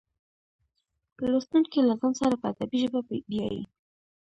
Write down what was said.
لوستونکي له ځان سره په ادبي ژبه بیایي.